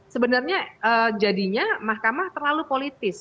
sebenarnya jadinya mahkamah terlalu politis